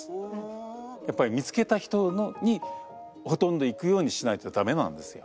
やっぱり見つけた人にほとんど行くようにしないと駄目なんですよ。